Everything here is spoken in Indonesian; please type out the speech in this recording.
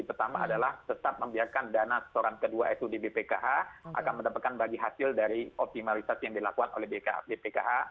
pertama adalah tetap membiarkan dana setoran kedua itu di bpkh akan mendapatkan bagi hasil dari optimalisasi yang dilakukan oleh bpkh